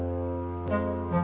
sebelumnya mengingat suara moi